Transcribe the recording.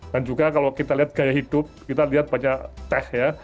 dan juga kalau kita lihat gaya hidup kita lihat banyak teh ya